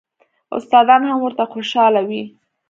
استادان هم ورته خوشاله وي.